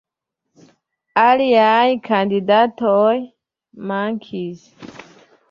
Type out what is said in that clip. Aliaj kandidatoj mankis.